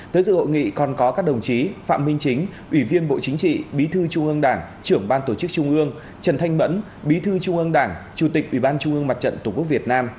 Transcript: tới dự hội nghị còn có các đồng chí phạm minh chính ủy viên bộ chính trị bí thư trung ương đảng trưởng ban tổ chức trung ương trần thanh mẫn bí thư trung ương đảng chủ tịch ủy ban trung ương mặt trận tổ quốc việt nam